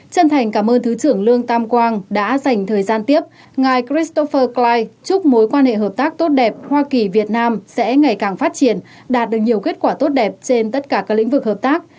chân thành cảm ơn thứ trưởng lương tam quang đã dành thời gian tiếp ngài christopher cluline chúc mối quan hệ hợp tác tốt đẹp hoa kỳ việt nam sẽ ngày càng phát triển đạt được nhiều kết quả tốt đẹp trên tất cả các lĩnh vực hợp tác